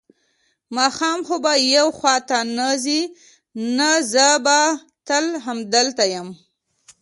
ماښام خو به یو خوا ته نه ځې؟ نه، زه به تل همدلته یم.